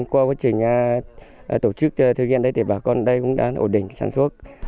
qua quá trình tổ chức thư ghen đây thì bà con đây cũng đã ổn định sản xuất